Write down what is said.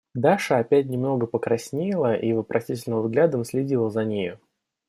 Даша опять немного покраснела и вопросительным взглядом следила за нею.